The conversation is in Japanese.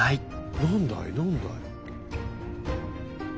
何だい何だい？